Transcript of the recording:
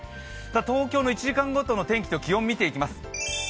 東京の１時間ごとの天気と気温見ていきます。